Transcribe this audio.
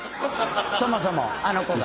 そもそもあの子が。